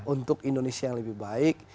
untuk indonesia yang lebih baik